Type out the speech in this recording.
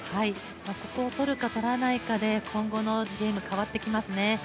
ここを取るか取らないかで今後のゲーム、変わってきますね。